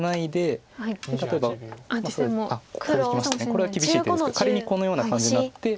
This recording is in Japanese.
これは厳しい手ですけど仮にこのような感じになって。